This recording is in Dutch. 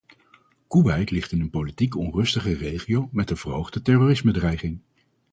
Koeweit ligt in een politiek onrustige regio met een verhoogde terrorismedreiging.